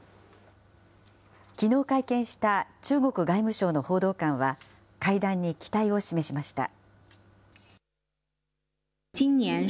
きのう会見した中国外務省の報道官は、会談に期待を示しました。